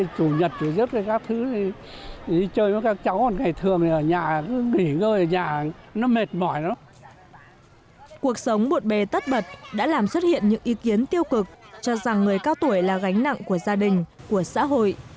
cuộc sống bộn bề tất bật đã làm xuất hiện những ý kiến tiêu cực cho rằng người cao tuổi là gánh nặng của gia đình của xã hội